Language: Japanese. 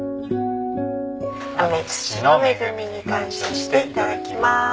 天地の恵みに感謝していただきます。